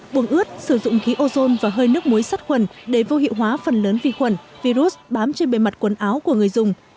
buồng ướt sử dụng khí ozone và hơi nước muối sắt khuẩn để vô hiệu hóa phần lớn vi khuẩn virus bám trên bề mặt quần áo của người dùng